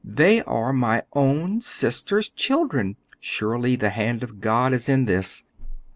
"They are my own sister's children! Surely the hand of God is in this!"